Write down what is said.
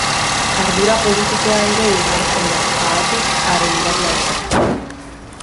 Ardura politikoa ere igartzen da, haatik, haren idazlanetan.